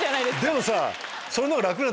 でもさ。